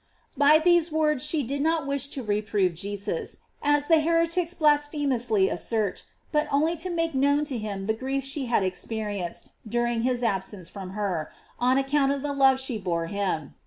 By these words she did not wish to reprove Jesus, as the heretics blasphemously assert, but only to make known to kim the grief she had experienced during his absence from her, on account of the love she bore him.